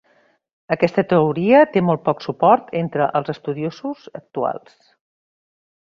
Aquesta teoria té molt poc suport entre els estudiosos actuals.